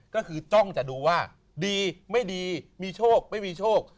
ก็คือจ้องจะดูว่าดีไม่ดีมีโชคไม่มีโชค